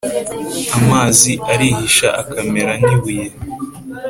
Amazi arihisha akamera nk ibuye